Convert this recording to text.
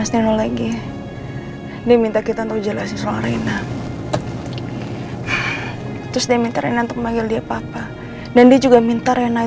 dan kalian izinkan rena